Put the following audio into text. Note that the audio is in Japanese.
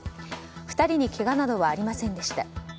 ２人にけがなどはありませんでした。